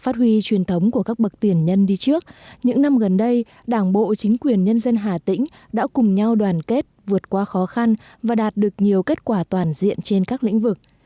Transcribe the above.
phát huy truyền thống của các bậc tiền nhân đi trước những năm gần đây đảng bộ chính quyền nhân dân hà tĩnh đã cùng nhau đoàn kết vượt qua khó khăn và đạt được nhiều kết quả toàn diện trên các lĩnh vực